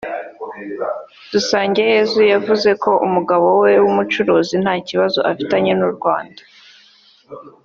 Dusangeyezu yavuze ko umugabo we w’umucuruzi nta kibazo afitanye n’u Rwanda